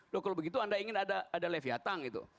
loh kalau begitu anda ingin ada leviatan gitu